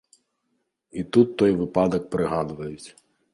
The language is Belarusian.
І тут той выпадак прыгадваюць.